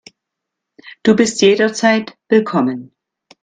Du bist jederzeit willkommen.